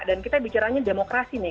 dan kita bicara demokrasi nih